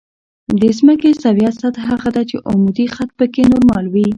د ځمکې سویه سطح هغه ده چې عمودي خط پکې نورمال وي